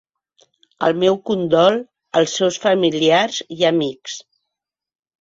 El meu condol al seus familiars i amics.